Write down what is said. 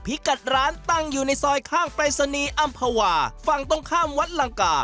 กัดร้านตั้งอยู่ในซอยข้างปรายศนีย์อำภาวาฝั่งตรงข้ามวัดลังกา